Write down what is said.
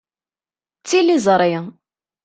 D tiliẓri.